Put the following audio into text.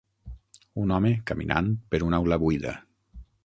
Un home caminant per una aula buida